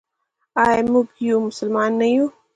آیا موږ یو مسلمان نه یو؟